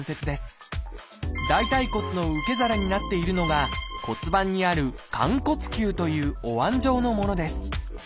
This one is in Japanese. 大腿骨の受け皿になっているのが骨盤にある「寛骨臼」というおわん状のものです。